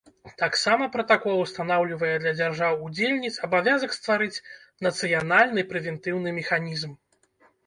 Таксама пратакол устанаўлівае для дзяржаў-удзельніц абавязак стварыць нацыянальны прэвентыўны механізм.